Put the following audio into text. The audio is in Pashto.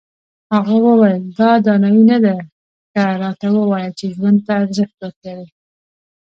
هغه وویل دا دانایي نه ده ښه راته ووایه چې ژوند ته ارزښت ورکوې.